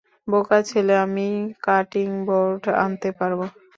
বোকা ছেলে, আমিই কাটিং বোর্ড আনতে পারব।